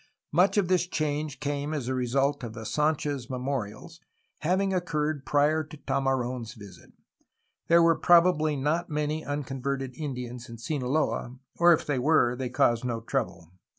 Much of this change came as a result of the Sdnchez memorials, hav ing occurred prior to Tamar6n's visit. There were probably not many uri converted Indians in Sinaloa, or if there were 1 hey caused no trouble.